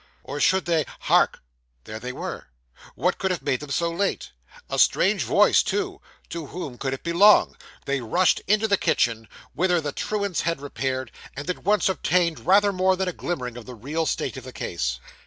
or should they Hark! there they were. What could have made them so late? A strange voice, too! To whom could it belong? They rushed into the kitchen, whither the truants had repaired, and at once obtained rather more than a glimmering of the real state of the case.